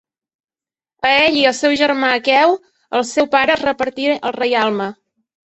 A ell i al seu germà Aqueu el seu pare els repartí el reialme.